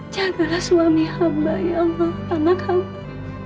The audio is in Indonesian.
jagalah suami hamba ya allah anak hamba